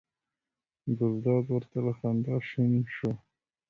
ګلداد ور ته له خندا شین شو.